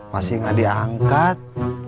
masih gak diangkat